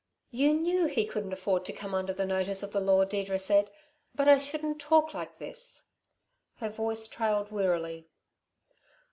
"You knew he couldn't afford to come under the notice of the law," Deirdre said. "But I shouldn't talk like this " Her voice trailed wearily.